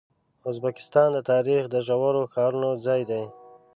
ازبکستان د تاریخ د زرو ښارونو ځای دی.